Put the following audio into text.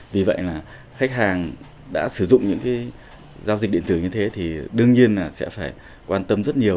vì vậy là khách hàng đã sử dụng những cái giao dịch điện tử như thế thì đương nhiên là sẽ phải quan tâm rất nhiều